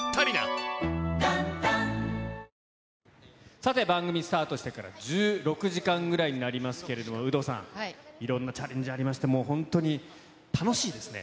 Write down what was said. さて、番組スタートしてから１６時間ぐらいになりますけれども、有働さん、いろんなチャレンジありまして、本当に、楽しいですね。